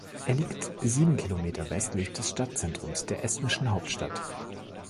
Er liegt sieben Kilometer westlich des Stadtzentrums der estnischen Hauptstadt.